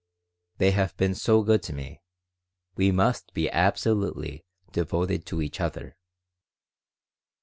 "They have been so good to me. We must be absolutely devoted to each other.